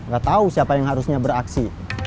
gak tahu siapa yang harusnya beraksi